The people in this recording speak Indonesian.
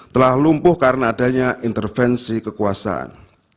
telah lumpuh karena adanya intervensi kekuasaan